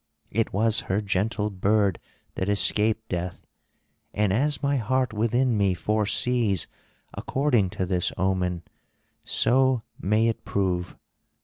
It was her gentle bird that escaped death; and as my heart within me foresees according to this omen, so may it prove!